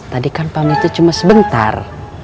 tadi kan panggilnya cuma sebentar